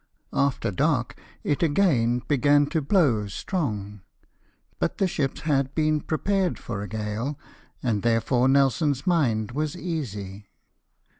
After dark it again began to blow strong, but the ships had been prepared for a gale, and therefore Nelson's mind was easy.